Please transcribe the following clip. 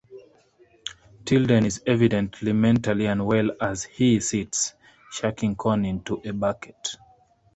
Tilden is evidently mentally unwell as he sits, shucking corn into a bucket.